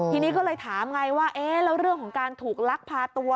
ทีนี้ก็เลยถามไงว่าเอ๊ะแล้วเรื่องของการถูกลักพาตัว